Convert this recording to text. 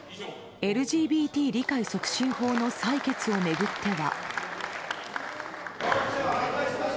ＬＧＢＴ理解促進法の採決を巡っては。